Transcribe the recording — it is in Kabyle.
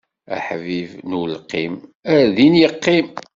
Aḥbib n ulqim, ar din iqqim!